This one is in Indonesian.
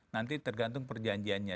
nanti tergantung perjanjiannya